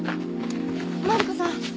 マリコさん！